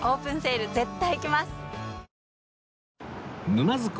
沼津港。